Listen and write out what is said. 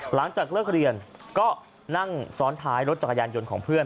หลังจากเลิกเรียนก็นั่งซ้อนท้ายรถจักรยานยนต์ของเพื่อน